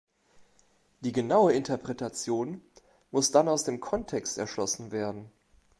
Die genaue Interpretation muss dann aus dem Kontext erschlossen werden.